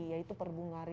yaitu perbunga rindu